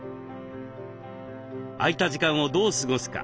空いた時間をどう過ごすか。